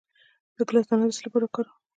د ګیلاس دانه د څه لپاره وکاروم؟